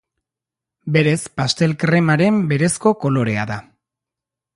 Berez, pastel-kremaren berezko kolorea da.